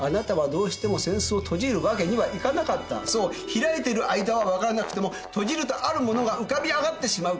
開いている間は分からなくても閉じるとあるものが浮かび上がってしまうからです。